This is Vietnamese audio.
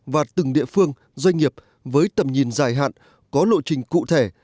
và từng địa phương doanh nghiệp với tầm nhìn dài hạn có lộ trình cụ thể